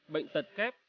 bệnh tật kép